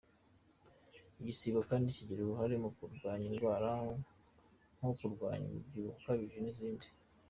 Igisibo kandi kigira uruhare mu kurwanya indwara nko kurwanya umubyibuho ukabije n’izindi.